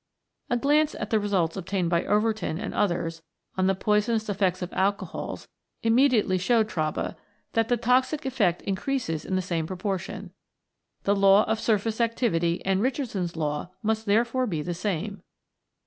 A glance at the results obtained by Overton and others on the poisonous effects of alcohols immediately showed Traube that the toxic effect increases in the same proportion. The law of surface activity and Richardson's Law must therefore be the same.